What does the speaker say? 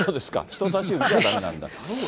人さし指じゃだめなんだ。